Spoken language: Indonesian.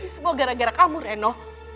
semua gara gara kamu reno